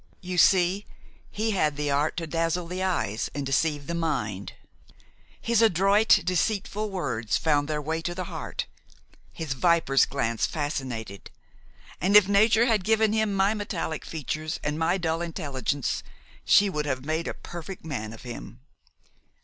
You see, he had the art to dazzle the eyes and deceive the mind; his adroit, deceitful words found their way to the heart; his viper's glance fascinated; and if nature had given him my metallic features and my dull intelligence she would have made a perfect man of him.